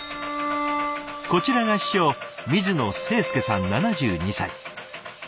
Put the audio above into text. こちらが師匠水野清介さん７２歳。